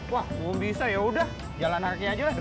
wah belum bisa yaudah jalan kakinya aja deh